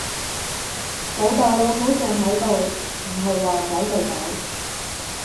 老竇老母仲係度，唔係話走就走